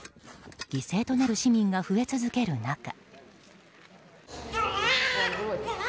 犠牲となる市民が増え続ける中。